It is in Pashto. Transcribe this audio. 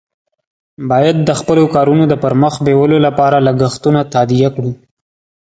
باید د خپلو کارونو د پر مخ بیولو لپاره لګښتونه تادیه کړي.